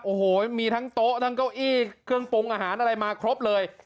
โอ้โหมีทั้งโต๊ะทั้งเก้าอี้เครื่องปรุงอาหารอะไรมาครบเลย